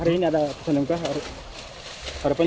hari ini ada putusan mk pak